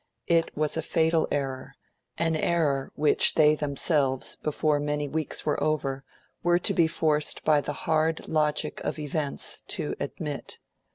It was a fatal error an error which they themselves, before many weeks were over, were to be forced by the hard logic of events to admit.